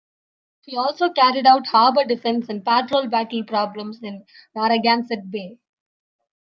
She also carried out harbor defense and patrol battle problems in Narragansett Bay.